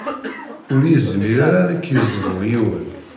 Ur yezmir ara ad ak-yezbu yiwen.